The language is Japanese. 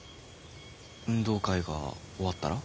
運動会が終わったら。